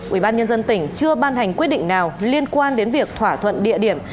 ubnd tỉnh chưa ban hành quyết định nào liên quan đến việc thỏa thuận địa điểm